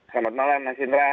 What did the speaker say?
selamat malam mas indra